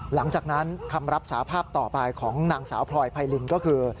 หลังจากนั้นคำรับสาภาพต่อไปของนางสาวพลอยไพรินก็คือ